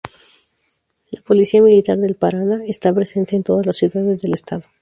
La Policía Militar del Paraná está presente en todas las ciudades del Estado.